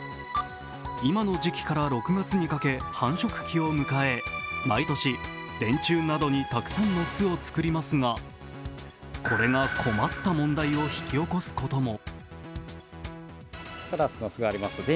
今の時期から６月にかけ繁殖期を迎え毎年、電柱などにたくさんの巣を作りますがこれが困った問題を引き起こすことも。